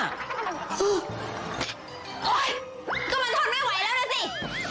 มันก็มันทนไม่ไหวแล้วนะสิ